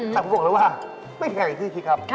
แต่ผมบอกเลยว่าไม่เป็นใครอีกที่